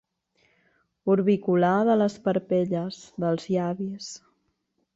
Orbicular de les parpelles, dels llavis.